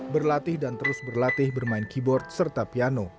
berlatih dan terus berlatih bermain keyboard serta piano